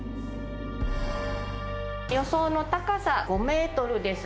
予想の高さ５メートルです。